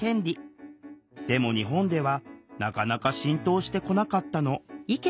でも日本ではなかなか浸透してこなかったの。